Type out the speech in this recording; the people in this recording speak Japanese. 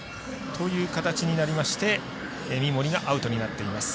という形になりまして三森がアウトになっています。